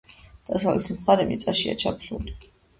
დასავლეთი მხარე მიწაშია ჩაფლული.